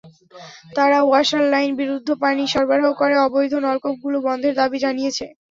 তাঁরা ওয়াসার লাইনে বিশুদ্ধ পানি সরবরাহ করে অবৈধ নলকূপগুলো বন্ধের দাবি জানিয়েছেন।